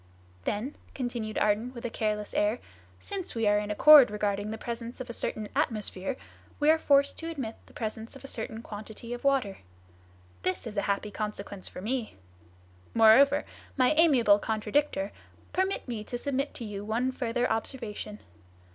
"Then," continued Ardan, with a careless air, "since we are in accord regarding the presence of a certain atmosphere, we are forced to admit the presence of a certain quantity of water. This is a happy consequence for me. Moreover, my amiable contradictor, permit me to submit to you one further observation.